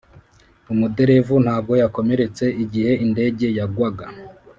umuderevu ntabwo yakomeretse igihe indege yagwaga.